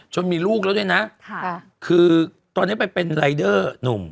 มีลูกแล้วด้วยนะคือตอนนี้ไปเป็นรายเดอร์หนุ่ม